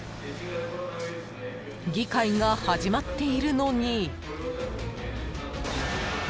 ［議会が始まっているのに］